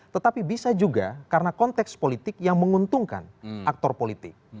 tetapi bisa juga karena konteks politik yang menguntungkan aktor politik